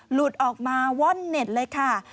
หลุดออกมาว่อนเน็ตเลยค่ะ